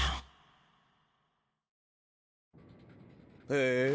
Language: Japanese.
へえ